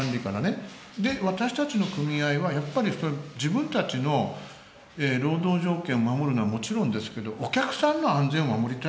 で私たちの組合はやっぱり自分たちの労働条件を守るのはもちろんですけどお客さんの安全を守りたい。